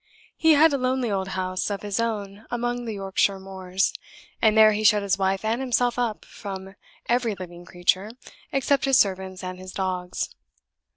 He had a lonely old house of his own among the Yorkshire moors, and there he shut his wife and himself up from every living creature, except his servants and his dogs.